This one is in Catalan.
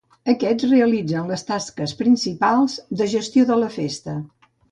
Aquests realitzen les tasques principals de gestió de la festa.